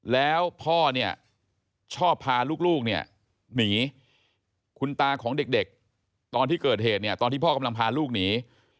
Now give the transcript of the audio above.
แล้วพ่อชอบพาลูกหนีคุณตาของเด็กตอนที่เกิดเหตุตอนที่พ่อกำลังพาลูกหนี